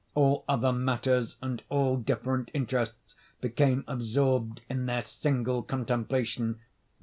All other matters and all different interests became absorbed in their single contemplation.